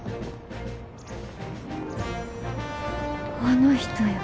あの人や。